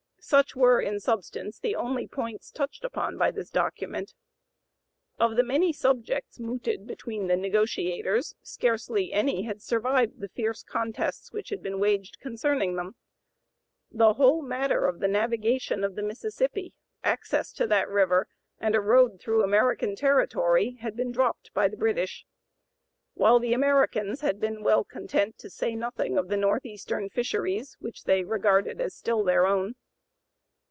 Such were, in substance, the only points touched upon by this document. Of the many subjects mooted between the negotiators scarcely any had survived the fierce contests which had been waged concerning them. The whole matter of the navigation of the Mississippi, access to that river, and a road through American territory, had been dropped by the British; while the Americans had been well content to say nothing of the Northeastern fisheries, which they regarded as still their own.